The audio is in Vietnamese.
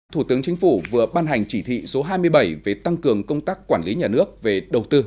thủ tướng chính phủ vừa ban hành chỉ thị số hai mươi bảy về tăng cường công tác quản lý nhà nước về đầu tư